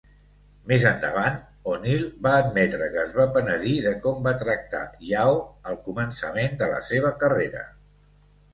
Més endavant, O'Neal va admetre que es va penedir de com va tractar Yao al començament de la seva carrera.